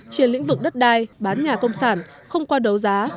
trên lĩnh vực đất đai bán nhà công sản không qua đấu giá